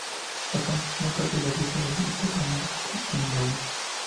La planta es una parte de la dieta del hipopótamo en Gabón.